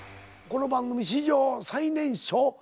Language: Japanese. この番組史上最年少？